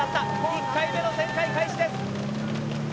１回目の旋回開始です。